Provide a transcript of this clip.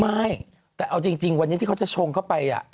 ไม่แต่เอาจริงวันนี้ที่เขาจะชงเข้าไป